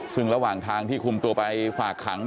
ซึ่งระหว่างทางที่คุมตัวไปฝากขัง